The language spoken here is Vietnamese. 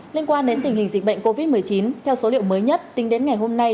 liên quan đến tình hình dịch bệnh covid một mươi chín theo số liệu mới nhất tính đến ngày hôm nay